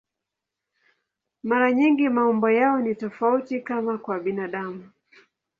Mara nyingi maumbo yao ni tofauti, kama kwa binadamu.